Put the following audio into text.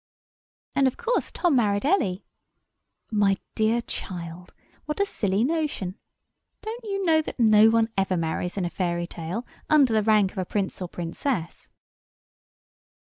"And of course Tom married Ellie?" My dear child, what a silly notion! Don't you know that no one ever marries in a fairy tale, under the rank of a prince or a princess?